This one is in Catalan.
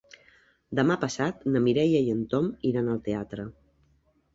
Demà passat na Mireia i en Tom iran al teatre.